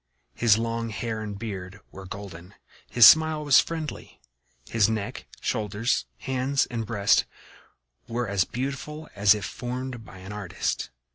His long hair and beard were golden; his smile was friendly; his neck, shoulders, hands and breast were as beautiful as if formed by an artist.